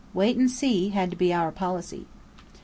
"Wait and see" had to be our policy.